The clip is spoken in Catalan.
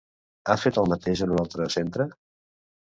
Ha fet el mateix en un altre centre?